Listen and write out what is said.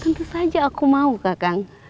tentu saja aku mau kakak